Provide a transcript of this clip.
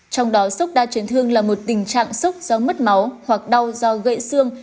trong đó sốc đa chấn thương là một tình trạng sốc do mất máu hoặc đau do gậy xương